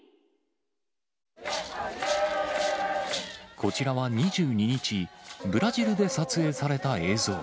こちらは２２日、ブラジルで撮影された映像。